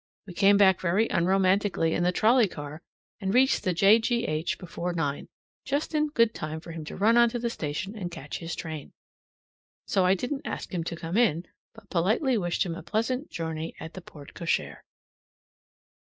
We came back very unromantically in the trolley car, and reached the J. G. H. before nine, just in good time for him to run on to the station and catch his train. So I didn't ask him to come in, but politely wished him a pleasant journey at the porte cochere.